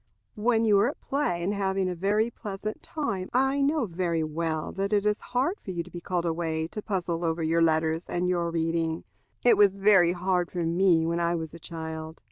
When you are at play, and having a very pleasant time, I know very well that it is hard for you to be called away to puzzle over your letters and your reading. It was very hard for me when I was a child.